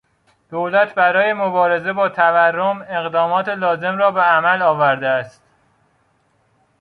دولت برای مبارزه با تورم اقدامات لازم را به عمل آورده است.